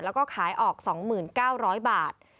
แล้วก็ขายออก๒๙๐๐บาท